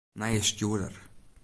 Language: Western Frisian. Nije stjoerder.